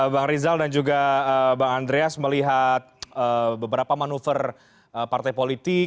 bang rizal dan juga bang andreas melihat beberapa manuver partai politik